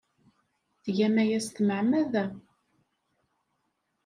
Tgam aya s tmeɛmada!